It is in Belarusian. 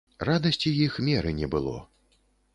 Радасці іх меры не было.